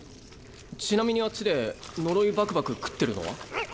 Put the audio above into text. ちなみにあっちで呪いバクバク食ってるのは？